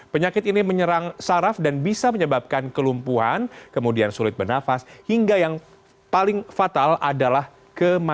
penyakit ini menyerang saraf dan bisa menyebabkan kelumpuhan kemudian sulit bernafas hingga yang paling fatal adalah kematian